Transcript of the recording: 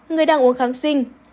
người đang uống kháng sinh